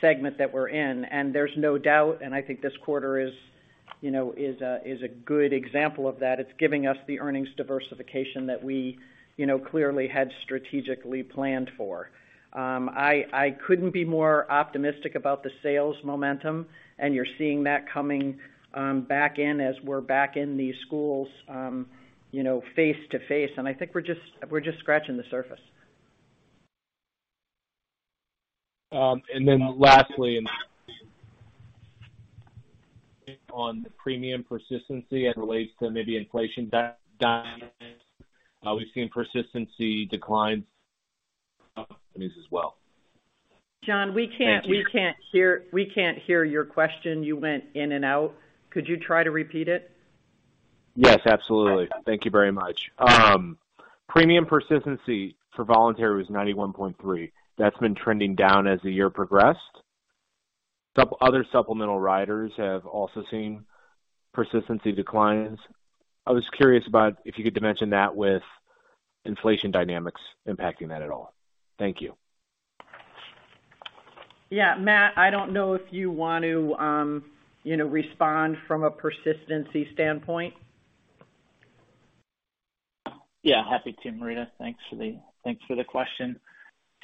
segment that we're in. There's no doubt, and I think this quarter is a good example of that. It's giving us the earnings diversification that we clearly had strategically planned for. I couldn't be more optimistic about the sales momentum, and you're seeing that coming back in as we're back in the schools face-to-face. I think we're just scratching the surface. Lastly, on the premium persistency as it relates to maybe inflation dynamics, we've seen persistency decline. John, we can't. Thank you. We can't hear your question. You went in and out. Could you try to repeat it? Yes, absolutely. Thank you very much. Premium persistency for voluntary was 91.3%. That's been trending down as the year progressed. Other supplemental riders have also seen persistency declines. I was curious about if you could dimension that with inflation dynamics impacting that at all. Thank you. Yeah, Matt, I don't know if you want to, you know, respond from a persistency standpoint. Yeah, happy to, Marita. Thanks for the question.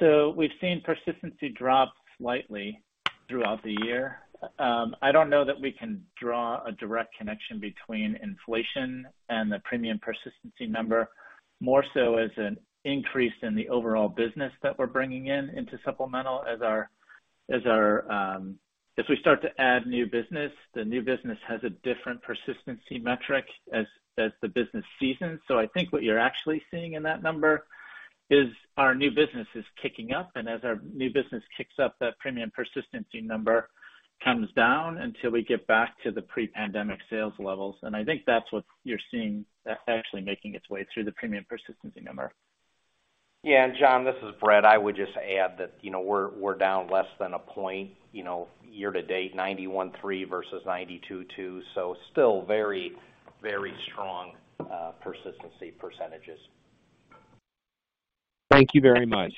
We've seen persistency drop slightly throughout the year. I don't know that we can draw a direct connection between inflation and the premium persistency number, more so it's an increase in the overall business that we're bringing in, into Supplemental as our, as we start to add new business, the new business has a different persistency metric as the business seasons. I think what you're actually seeing in that number is our new business is kicking up, and as our new business kicks up, that premium persistency number comes down until we get back to the pre-pandemic sales levels. I think that's what you're seeing that's actually making its way through the premium persistency number. John, this is Bret. I would just add that, you know, we're down less than a point, you know, year to date, 91.3% versus 92.2%, so still very, very strong persistency percentages. Thank you very much.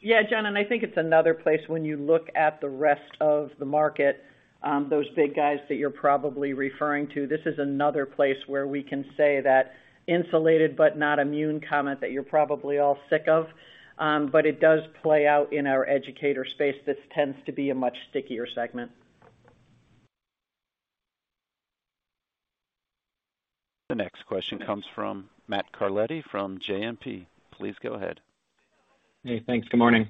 Yeah, John, I think it's another place when you look at the rest of the market, those big guys that you're probably referring to. This is another place where we can say that insulated but not immune comment that you're probably all sick of, but it does play out in our educator space. This tends to be a much stickier segment. The next question comes from Matt Carletti from JMP. Please go ahead. Hey, thanks. Good morning.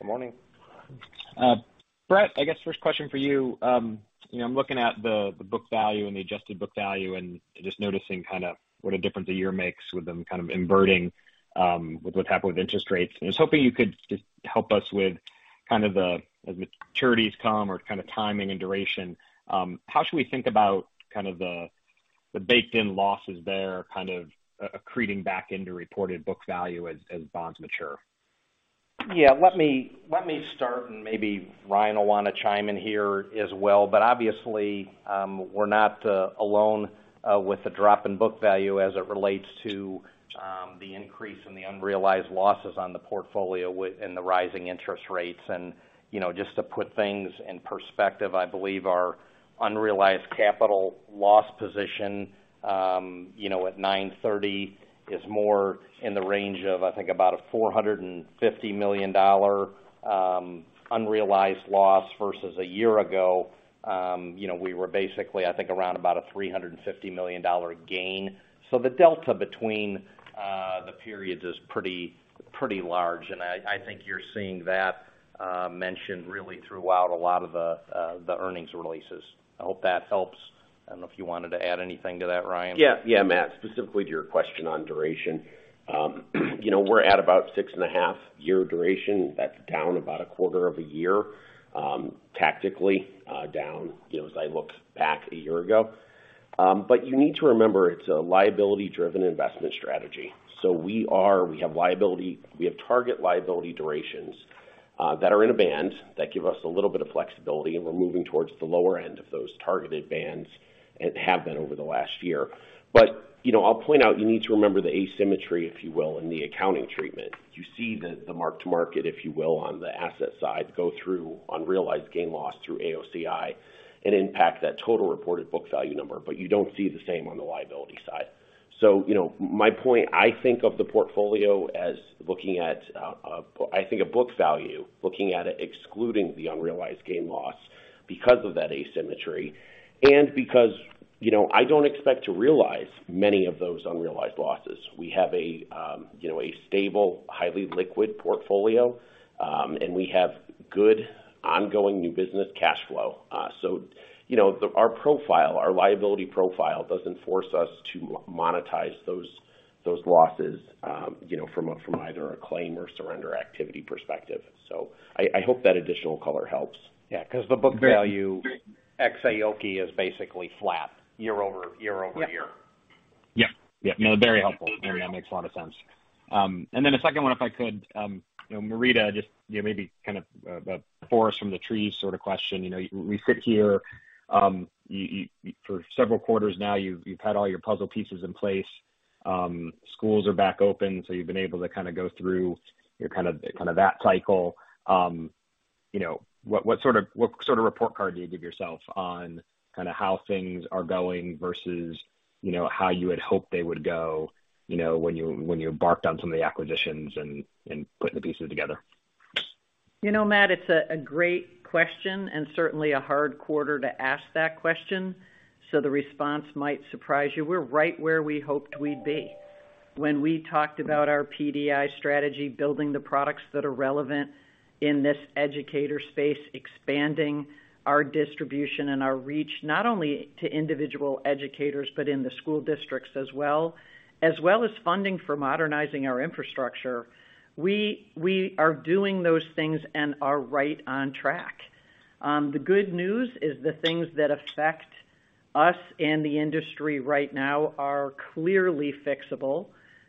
Good morning. Bret, I guess first question for you. You know, I'm looking at the book value and the adjusted book value and just noticing kind of what a difference a year makes with them kind of inverting, with what's happened with interest rates. I was hoping you could just help us with kind of, as the maturities come or kind of timing and duration, how should we think about kind of the baked-in losses there kind of accreting back into reported book value as bonds mature? Yeah, let me start, and maybe Ryan will wanna chime in here as well. Obviously, we're not alone with the drop in book value as it relates to the increase in the unrealized losses on the portfolio with and the rising interest rates. You know, just to put things in perspective, I believe our unrealized capital loss position, you know, at 9/30 is more in the range of, I think about a $450 million unrealized loss versus a year ago, you know, we were basically, I think around about a $350 million gain. The delta between the periods is pretty large. I think you're seeing that mentioned really throughout a lot of the earnings releases. I hope that helps. I don't know if you wanted to add anything to that, Ryan? Yeah. Yeah, Matt, specifically to your question on duration. You know, we're at about 6.5-year duration. That's down about a quarter of a year, tactically, down, you know, as I look back a year ago. You need to remember it's a liability-driven investment strategy. We have target liability durations that are in a band that give us a little bit of flexibility, and we're moving towards the lower end of those targeted bands and have been over the last year. You know, I'll point out you need to remember the asymmetry, if you will, in the accounting treatment. You see the mark-to-market, if you will, on the asset side, go through unrealized gain loss through AOCI and impact that total reported book value number, but you don't see the same on the liability side. You know, my point, I think of the portfolio as looking at, I think a book value, looking at it excluding the unrealized gain loss because of that asymmetry and because, you know, I don't expect to realize many of those unrealized losses. We have you know, a stable, highly liquid portfolio, and we have good ongoing new business cash flow. You know, our profile, our liability profile doesn't force us to monetize those losses, you know, from either a claim or surrender activity perspective. I hope that additional color helps. Yeah, 'cause the book value ex-AOCI is basically flat year over year. Yeah. Yeah. No, very helpful. Yeah, makes a lot of sense. A second one, if I could, you know, Marita, just, you know, maybe kind of the forest from the trees sort of question. You know, we sit here, you for several quarters now, you've had all your puzzle pieces in place. Schools are back open, so you've been able to kind of go through your kind of that cycle. You know, what sort of report card do you give yourself on kind of how things are going versus, you know, how you had hoped they would go, you know, when you embarked on some of the acquisitions and putting the pieces together? You know, Matt, it's a great question, and certainly a hard quarter to ask that question, so the response might surprise you. We're right where we hoped we'd be. When we talked about our PDI strategy, building the products that are relevant in this educator space, expanding our distribution and our reach, not only to individual educators, but in the school districts as well. As well as funding for modernizing our infrastructure, we are doing those things and are right on track. The good news is the things that affect us and the industry right now are clearly fixable.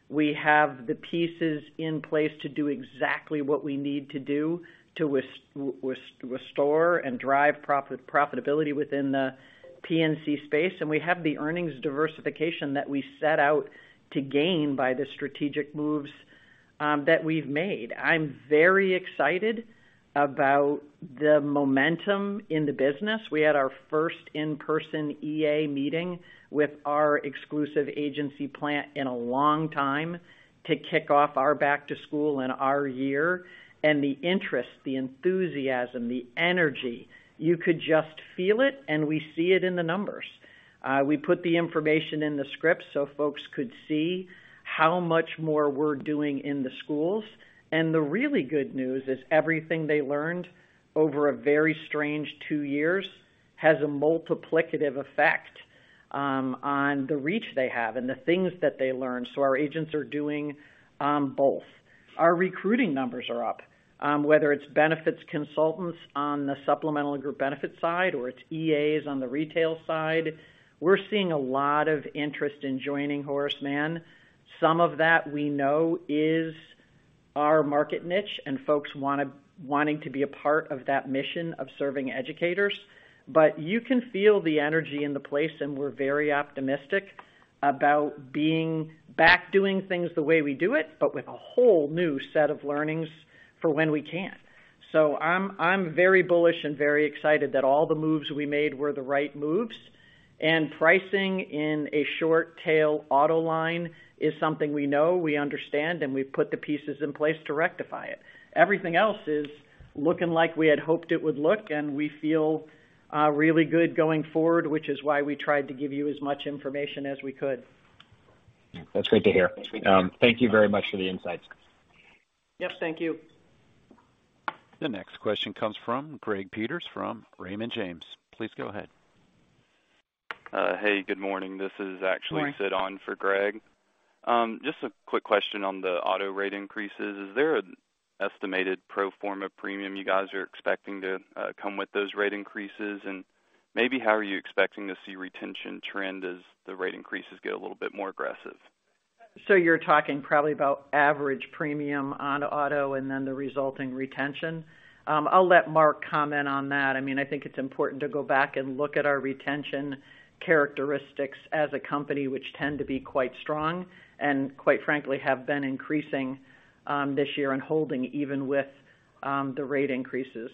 We have the pieces in place to do exactly what we need to do to restore and drive profitability within the P&C space. We have the earnings diversification that we set out to gain by the strategic moves that we've made. I'm very excited about the momentum in the business. We had our first in-person EA meeting with our exclusive agency plan in a long time to kick off our back to school and our year. The interest, the enthusiasm, the energy, you could just feel it, and we see it in the numbers. We put the information in the script so folks could see how much more we're doing in the schools. The really good news is everything they learned over a very strange two years has a multiplicative effect on the reach they have and the things that they learned. Our agents are doing both. Our recruiting numbers are up. Whether it's benefits consultants on the supplemental group benefit side or it's EAs on the retail side, we're seeing a lot of interest in joining Horace Mann. Some of that we know is our market niche and folks wanting to be a part of that mission of serving educators. You can feel the energy in the place, and we're very optimistic about being back doing things the way we do it, but with a whole new set of learnings for when we can. I'm very bullish and very excited that all the moves we made were the right moves. Pricing in a short tail auto line is something we know, we understand, and we've put the pieces in place to rectify it. Everything else is looking like we had hoped it would look, and we feel really good going forward, which is why we tried to give you as much information as we could. That's great to hear. Thank you very much for the insights. Yes, thank you. The next question comes from Greg Peters from Raymond James. Please go ahead. Hey, good morning. This is actually Morning. Sid on for Greg. Just a quick question on the auto rate increases. Is there an estimated pro forma premium you guys are expecting to come with those rate increases? Maybe how are you expecting to see retention trend as the rate increases get a little bit more aggressive? You're talking probably about average premium on auto and then the resulting retention. I'll let Mark comment on that. I mean, I think it's important to go back and look at our retention characteristics as a company, which tend to be quite strong, and quite frankly, have been increasing, this year and holding even with the rate increases.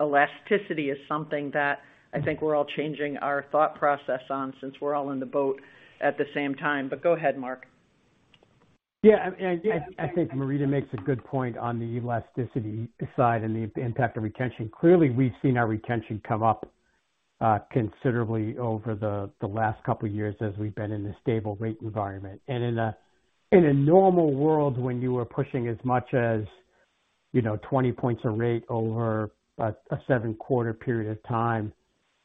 Elasticity is something that I think we're all changing our thought process on since we're all in the boat at the same time. Go ahead, Mark. Yeah, I think Marita makes a good point on the elasticity side and the impact of retention. Clearly, we've seen our retention come up considerably over the last couple of years as we've been in a stable rate environment. In a normal world, when you were pushing as much as, you know, 20 points a rate over a seven-quarter period of time,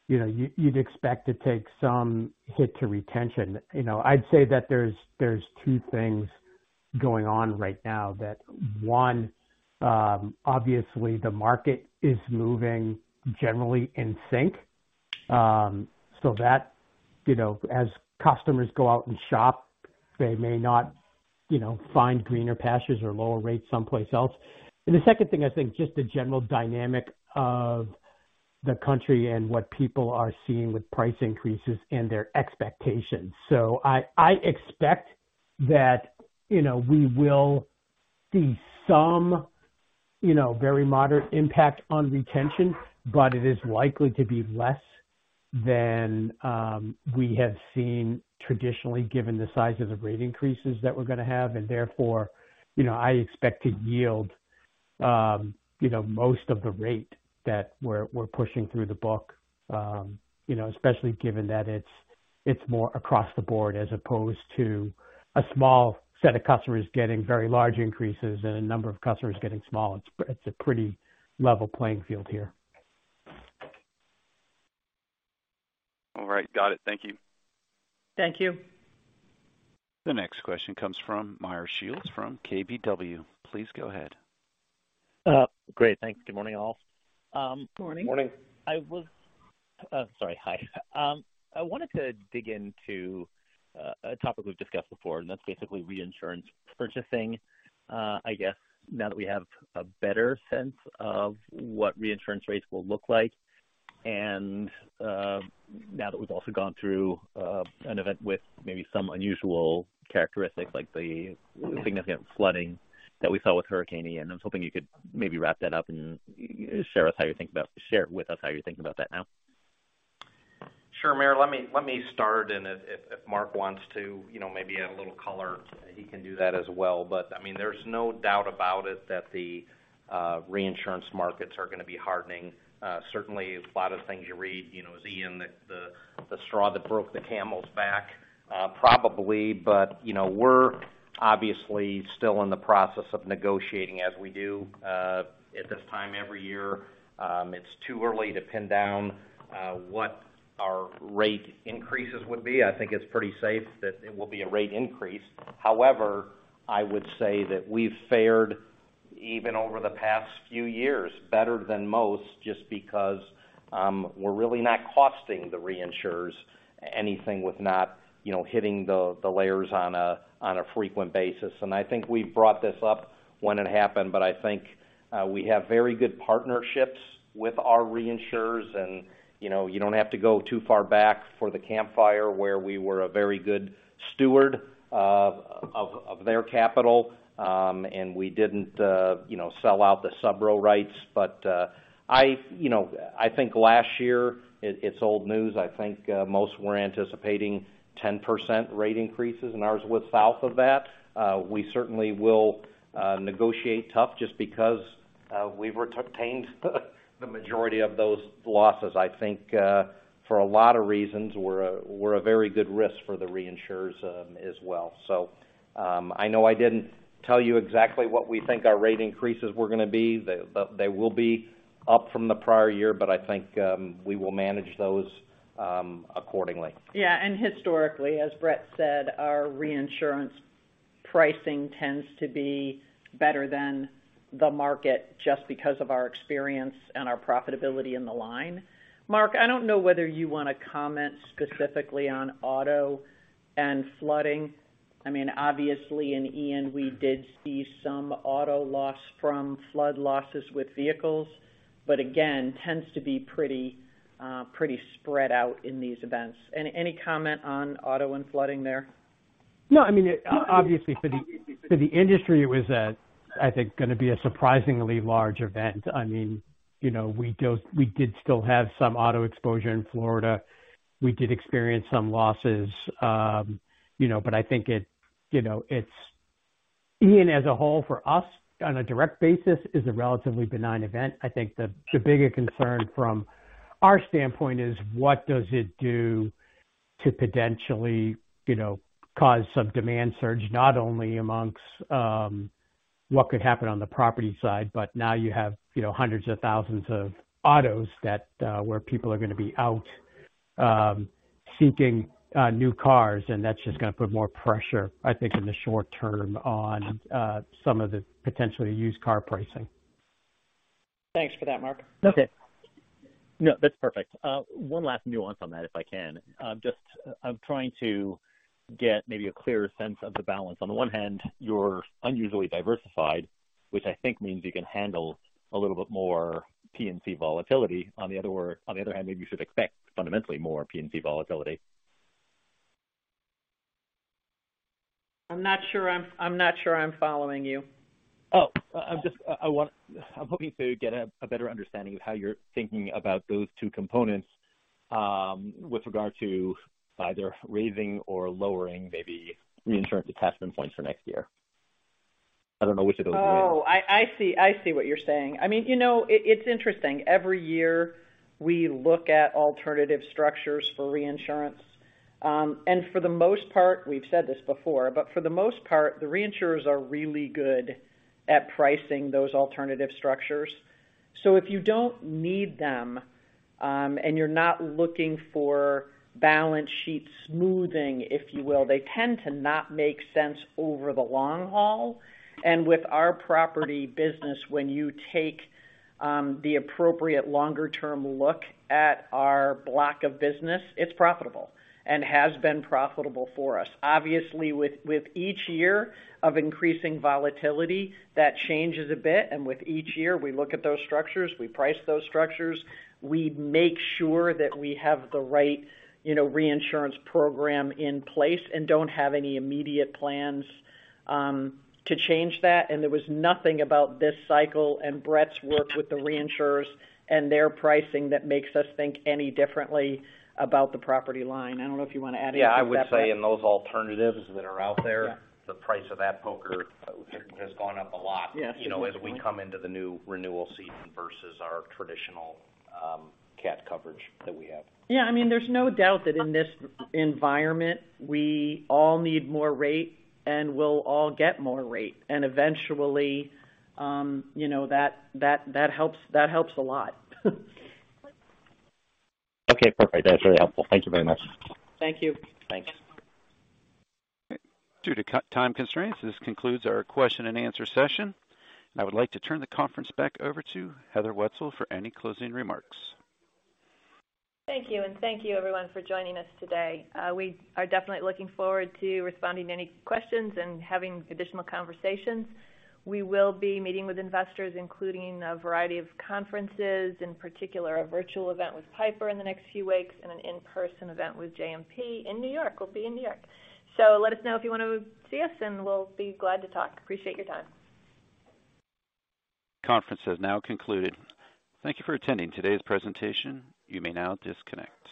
you know, you'd expect to take some hit to retention. You know, I'd say that there's two things going on right now that, one, obviously the market is moving generally in sync. So that, you know, as customers go out and shop, they may not, you know, find greener patches or lower rates someplace else. The second thing, I think, just the general dynamic of the country and what people are seeing with price increases and their expectations. I expect that, you know, we will see some, you know, very moderate impact on retention, but it is likely to be less than we have seen traditionally given the size of the rate increases that we're gonna have. Therefore, you know, I expect to yield, you know, most of the rate that we're pushing through the book, you know. Especially given that it's more across the board as opposed to a small set of customers getting very large increases and a number of customers getting small. It's a pretty level playing field here. All right. Got it. Thank you. Thank you. The next question comes from Meyer Shields from KBW. Please go ahead. Great. Thanks. Good morning, all. Good morning. Morning. Sorry, hi. I wanted to dig into a topic we've discussed before, and that's basically reinsurance purchasing. I guess now that we have a better sense of what reinsurance rates will look like, and now that we've also gone through an event with maybe some unusual characteristics like the significant flooding that we saw with Hurricane Ian, I was hoping you could maybe wrap that up and share with us how you're thinking about that now. Sure, Meyer. Let me start, and if Mark wants to, you know, maybe add a little color, he can do that as well. I mean, there's no doubt about it that the reinsurance markets are gonna be hardening. Certainly a lot of things you read, you know, is Ian the straw that broke the camel's back? Probably, but, you know, we're obviously still in the process of negotiating as we do at this time every year. It's too early to pin down what our rate increases would be. I think it's pretty safe that it will be a rate increase. However, I would say that we've fared even over the past few years better than most just because we're really not costing the reinsurers anything with not, you know, hitting the layers on a frequent basis. I think we've brought this up when it happened, but I think we have very good partnerships with our reinsurers and, you know, you don't have to go too far back for the Camp Fire where we were a very good steward of their capital and we didn't, you know, sell out the subrogation rights. But you know, I think last year it's old news. I think most were anticipating 10% rate increases and ours was south of that. We certainly will negotiate tough just because we retained the majority of those losses. I think for a lot of reasons, we're a very good risk for the reinsurers, as well. I know I didn't tell you exactly what we think our rate increases were gonna be. But they will be up from the prior year, but I think we will manage those accordingly. Yeah. Historically, as Bret said, our reinsurance pricing tends to be better than the market just because of our experience and our profitability in the line. Mark, I don't know whether you wanna comment specifically on auto and flooding. I mean, obviously in Ian, we did see some auto loss from flood losses with vehicles, but again, tends to be pretty spread out in these events. Any comment on auto and flooding there? No, I mean, obviously for the industry, it was, I think, gonna be a surprisingly large event. I mean, you know, we did still have some auto exposure in Florida. We did experience some losses, you know, but I think it, you know, it's Ian, as a whole for us on a direct basis, is a relatively benign event. I think the bigger concern from our standpoint is what does it do to potentially, you know, cause some demand surge, not only amongst what could happen on the property side, but now you have, you know, hundreds of thousands of autos that where people are gonna be out seeking new cars. That's just gonna put more pressure, I think, in the short term on some of the potentially used car pricing. Thanks for that, Mark. Okay. No, that's perfect. One last nuance on that, if I can. I'm just trying to get maybe a clearer sense of the balance. On the one hand, you're unusually diversified, which I think means you can handle a little bit more P&C volatility. On the other hand, maybe you should expect fundamentally more P&C volatility. I'm not sure I'm following you. I'm hoping to get a better understanding of how you're thinking about those two components with regard to either raising or lowering maybe reinsurance attachment points for next year. I don't know which of those you mean. I see what you're saying. I mean, you know, it's interesting. Every year we look at alternative structures for reinsurance. For the most part, we've said this before, but for the most part, the reinsurers are really good at pricing those alternative structures. If you don't need them, and you're not looking for balance sheet smoothing, if you will, they tend to not make sense over the long haul. With our property business, when you take the appropriate longer term look at our block of business, it's profitable and has been profitable for us. Obviously, with each year of increasing volatility, that changes a bit. With each year, we look at those structures. We price those structures. We make sure that we have the right, you know, reinsurance program in place and don't have any immediate plans to change that. There was nothing about this cycle and Bret's work with the reinsurers and their pricing that makes us think any differently about the property line. I don't know if you want to add anything to that, Bret. Yeah. I would say in those alternatives that are out there. Yeah. The price of that poker has gone up a lot. Yes. You know, as we come into the new renewal season versus our traditional CAT coverage that we have. Yeah. I mean, there's no doubt that in this environment, we all need more rate, and we'll all get more rate. Eventually, you know, that helps a lot. Okay, perfect. That's really helpful. Thank you very much. Thank you. Thanks. Due to time constraints, this concludes our question and answer session. I would like to turn the conference back over to Heather Wietzel for any closing remarks. Thank you. Thank you everyone for joining us today. We are definitely looking forward to responding to any questions and having additional conversations. We will be meeting with investors, including a variety of conferences, in particular a virtual event with Piper in the next few weeks, and an in-person event with JMP in New York. We'll be in New York. Let us know if you wanna see us, and we'll be glad to talk. Appreciate your time. Conference has now concluded. Thank you for attending today's presentation. You may now disconnect.